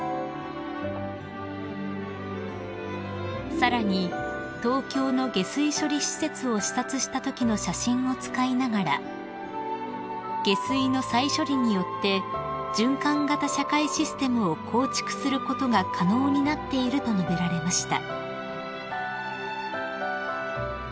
［さらに東京の下水処理施設を視察したときの写真を使いながら下水の再処理によって循環型社会システムを構築することが可能になっていると述べられました］